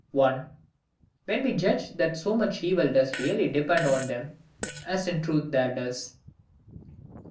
1. When we judge that so much evil does not really depend on them as in truth there does.